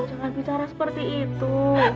jangan bicara seperti itu